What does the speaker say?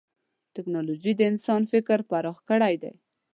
ټکنالوجي د انسان فکر پراخ کړی دی.